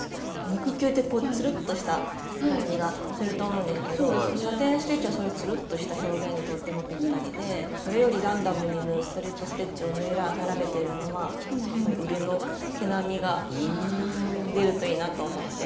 肉球ってこうつるっとした感じがすると思うんですけどサテン・ステッチはそういうつるっとした表現にとってもぴったりでそれよりランダムに縫うストレート・ステッチを縫い並べてるのはやっぱり腕の毛並みが出るといいなと思って。